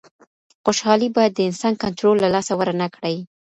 خوشحالي باید د انسان کنټرول له لاسه ورنکړي.